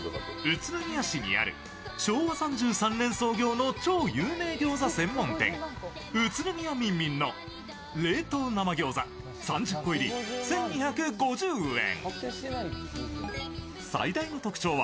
宇都宮市にある昭和３３年創業の超有名餃子専門店、宇都宮みんみんの冷凍生餃子、３０個入り１２５０円。